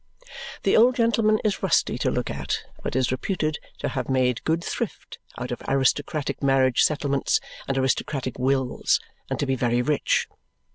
The old gentleman is rusty to look at, but is reputed to have made good thrift out of aristocratic marriage settlements and aristocratic wills, and to be very rich.